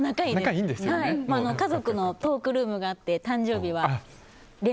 家族のトークルームがあって素敵！